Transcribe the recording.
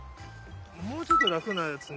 うちょっと楽なやつに。